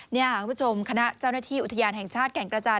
นี่คุณผู้ชมคณะเจ้าหน้าที่อุทยานแห่งชาติแก่งกระจาน